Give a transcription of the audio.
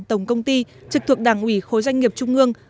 tổng công ty trực thuộc đảng ủy khối doanh nghiệp trung ương